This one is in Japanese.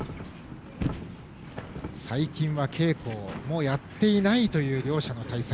最近は稽古もやっていないという両者の対戦。